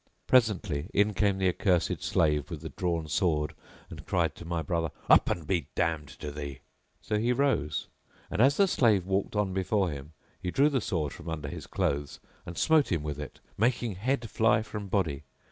Presently in came the accursed slave with the drawn sword and cried to my brother, "Up and be damned to thee." So he rose, and as the slave walked on before him he drew the sword from under his clothes and smote him with it, making head fly from body.